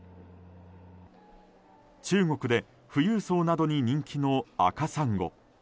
中国で富裕層などに人気の赤サンゴ。